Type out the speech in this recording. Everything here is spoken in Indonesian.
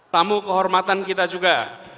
tamu kehormatan kita juga